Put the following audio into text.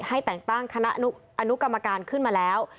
ให้แต่งตั้งคณะอนุกรรมการขึ้นมาแล้ว